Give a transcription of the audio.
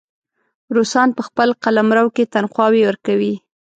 روسان په خپل قلمرو کې تنخواوې ورکوي.